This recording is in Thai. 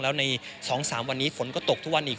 แล้วใน๒๓วันนี้ฝนก็ตกทุกวันอีก